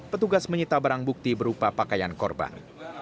petugas menyita barang bukti berupa pakaian korban